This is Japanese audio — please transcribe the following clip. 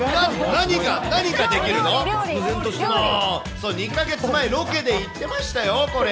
そう、２か月前、ロケで行ってましたよ、これ。